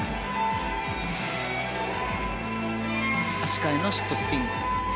足換えのシットスピン。